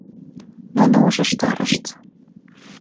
Нуно ушештарышт.